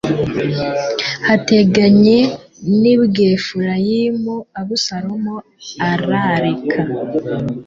hateganye n i Bwefurayimu Abusalomu ararika